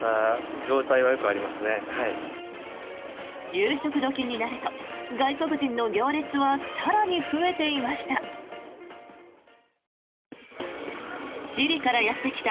夕食時になると外国人の行列は更に増えていました。